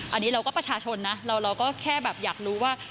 อันนี้เราก็ประชาชนนะเราก็แค่แบบอยากรู้ว่า